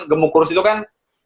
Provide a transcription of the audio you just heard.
gemuk kurs itu kan